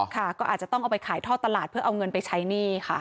ค่ะก็อาจจะต้องเอาไปขายท่อตลาดเพื่อเอาเงินไปใช้หนี้ค่ะ